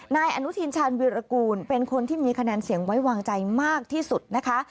นายอนุทินชาญวิรากูลเป็นคนที่มีคะแนนเสียงไว้วางใจมากที่สุดนะคะ